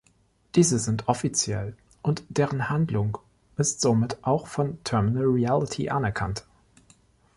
Diese sind offiziell und deren Handlung ist somit auch von "Terminal Reality" anerkannt.